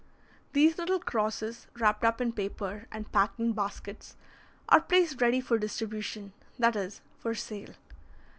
These little crosses, wrapped up in paper and packed in baskets, are placed ready for distribution, that is, for sale.